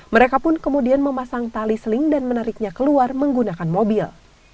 mereka pun kemudian memasang tali seling dan menariknya keluar menggunakan mobil